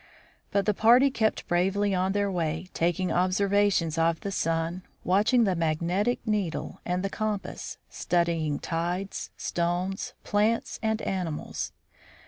But the party kept bravely on their way, taking observa tions of the sun, watching the magnetic needle of the com pass, studying tides, stones, plants, and animals.